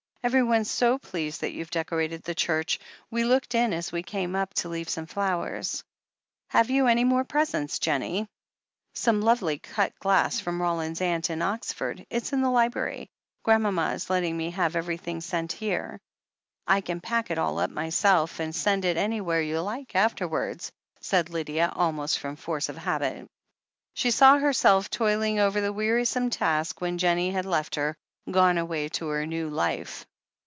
Everyone is so pleased, and they've decorated the church — we looked in as we came up, to leave some flowers. ..." "Have you had any more presents, Jennie ?" "Some lovely cut glass from Roland's aunt in Ox THE HEEL OF ACHILLES 465 ford — ^it's in the library. Grandmama is letting me have everything sent here." "I can pack it all up myself and send it anywhere you like afterwards," said Lydia, almost from force of habit. She saw herself toiling over the wearisome task when Jennie had left her, gone away to her new life.